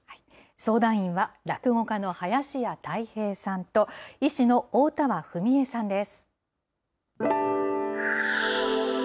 相談員は落語家の林家たい平さんと、医師のおおたわ史絵さんです。